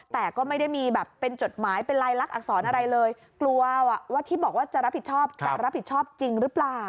แต่ก็ไม่ได้มีแบบเป็นจดหมายเป็นลายลักษรอะไรเลยกลัวว่าที่บอกว่าจะรับผิดชอบจะรับผิดชอบจริงหรือเปล่า